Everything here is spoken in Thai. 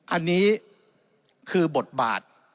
อันนี้คือบทบาท